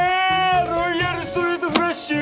ロイヤルストレートフラッシュ。